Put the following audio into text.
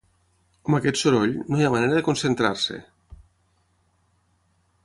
Amb aquest soroll, no hi ha manera de concentrar-se!